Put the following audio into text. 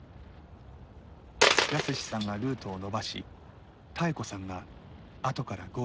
泰史さんがルートを延ばし妙子さんが後から合流します。